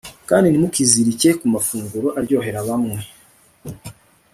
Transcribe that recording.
kandi ntimukizirike ku mafunguro aryohera bamwe